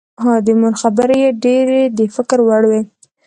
د مور خبرې یې ډېرې د فکر وړ وې